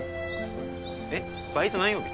えっバイト何曜日？